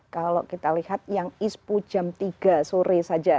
kalau kita lihat yang ispu jam tiga sore saja